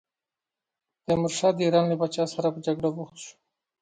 تیمورشاه د ایران له پاچا سره په جګړه بوخت شو.